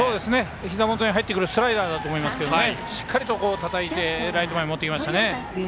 ひざ元に入ってくるスライダーだと思いますがしっかりとたたいてライト前に持っていきました。